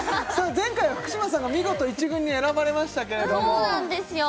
前回は福嶌さんが見事１軍に選ばれましたけれどもそうなんですよ